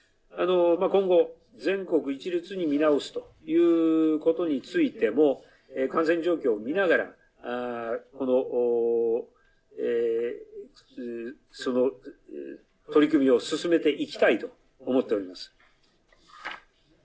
今後、全国一律に見直すということについても感染状況を見ながらその取り組みを進めてきたいと思っております。